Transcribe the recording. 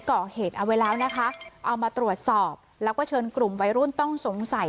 ก่อเหตุเอาไว้แล้วนะคะเอามาตรวจสอบแล้วก็เชิญกลุ่มวัยรุ่นต้องสงสัย